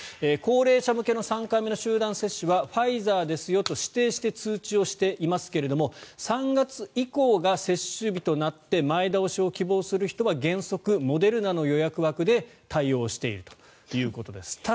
高齢者向けの３回目の集団接種はファイザーですよと指定して通知していますが３月以降が接種日となって前倒しを希望する人は原則モデルナの予約枠で対応しているということです。